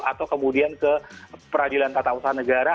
atau kemudian ke peradilan tata usaha negara